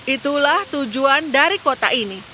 itulah tujuan dari kota ini